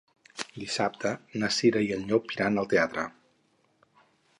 Dissabte na Cira i en Llop iran al teatre.